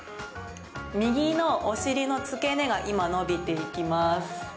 右のお尻の付け根が今、伸びていきます。